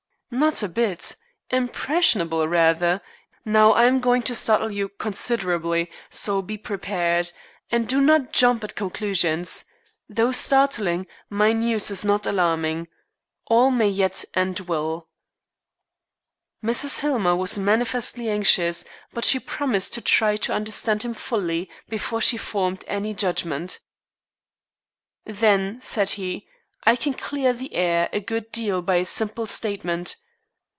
"Not a bit. Impressionable, rather. Now, I am going to startle you considerably, so be prepared. And do not jump at conclusions. Though startling, my news is not alarming. All may yet end well." Mrs. Hillmer was manifestly anxious, but she promised to try to understand him fully before she formed any judgment. "Then," said he, "I can clear the air a good deal by a simple statement.